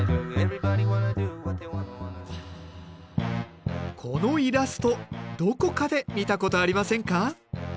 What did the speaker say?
このイラストどこかで見たことありませんか？